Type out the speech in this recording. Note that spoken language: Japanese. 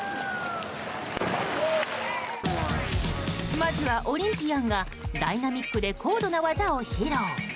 まずは、オリンピアンがダイナミックで高度な技を披露。